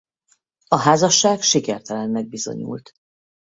A házasság sikertelennek bizonyult.